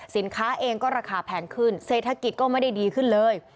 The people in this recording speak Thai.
สินค้าเองก็ราคาแพงขึ้นเศรษฐกิจก็ไม่ได้ดีขึ้นเลย